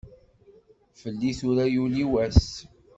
Fell-i tura yuli wass.